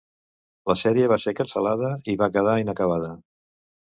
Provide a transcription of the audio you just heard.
La sèrie va ser cancel·lada i va quedar inacabada.